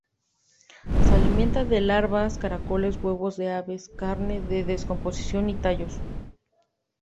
Se alimentaba de larvas, caracoles, huevos de aves, carne en descomposición, y tallos.